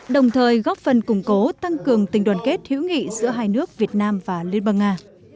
đồng thời góp phần củng cố tăng cường tình đoàn kết hữu nghị giữa hai nước việt nam và liên bang nga